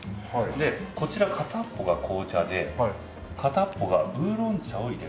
でこちら片っぽが紅茶で片っぽがウーロン茶を入れる。